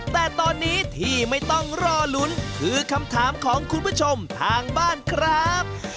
แต่ตอนนี้ที่ไม่ต้องรอลุ้นคือคำถามของคุณผู้ชมทางบ้านครับ